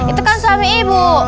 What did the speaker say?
itu kan suami ibu